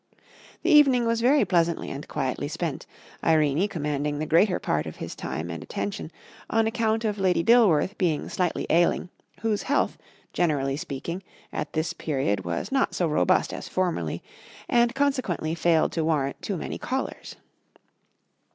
The evening was very pleasantly and quietly spent, Irene commanding the greater part of his time and attention, on account of Lady Dilworth being slightly ailing, whose health, generally speaking, at this period was not so robust as formerly, and consequently failed to warrant too many callers.